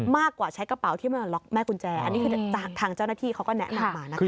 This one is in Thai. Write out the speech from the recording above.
มากกว่าใช้กระเป๋าที่มันล็อกแม่กุญแจอันนี้คือจากทางเจ้าหน้าที่เขาก็แนะนำมานะคะ